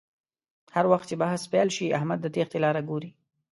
هر وخت چې بحث پیل شي احمد د تېښتې لاره گوري